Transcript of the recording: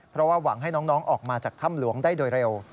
เพราะว่าหวังให้น้องออกมาจากถ้ำหลวงได้โดยเร็ว